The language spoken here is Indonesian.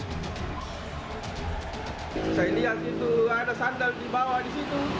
saya lihat itu ada sandal di bawah di situ